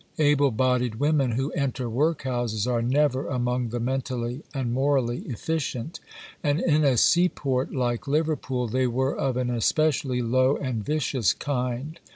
Able bodied women who enter workhouses are never among the mentally and morally efficient; and in a seaport like Liverpool they were of an especially low and vicious kind.